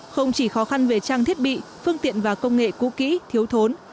không chỉ khó khăn về trang thiết bị phương tiện và công nghệ cũ kỹ thiếu thốn